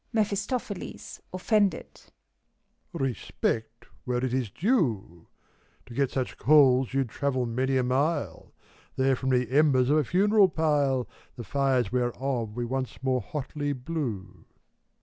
MEPHISTOPHELES (offended). Respect, where it is duel To get such coals, you'd travel many a mile : They're from the embers of a funeral pile. The fires whereof we once more hotly blew.